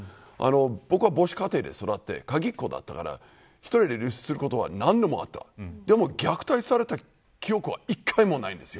僕は母子家庭で育ってかぎっ子だったから１人で留守番することは何度もありましたがでも虐待された記憶は一度もありません。